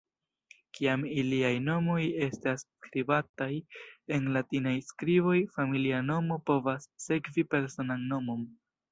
Kiam iliaj nomoj estas skribataj en latinaj skriboj, familia nomo povas sekvi personan nomon.